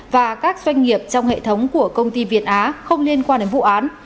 và các doanh nghiệp trong hệ thống của công ty việt á không liên quan đến vụ án